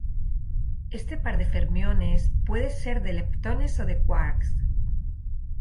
Este par de fermiones puede ser de leptones o de quarks.